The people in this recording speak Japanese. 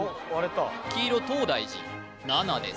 黄色東大寺７です